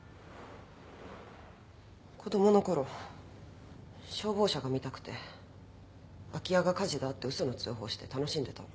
子供のころ消防車が見たくて空き家が火事だって嘘の通報して楽しんでたの。